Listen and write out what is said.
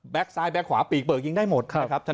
แบ็คซ้ายแบ็คขวาปีกเปลือกยิงได้หมด